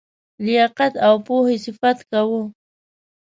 لیاقت او پوهي صفت کاوه.